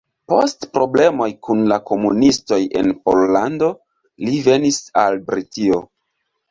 Post problemoj kun la komunistoj en Pollando li venis al Britio.